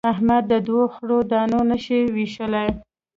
احمد د دوو خرو دانه نه شي وېشلای.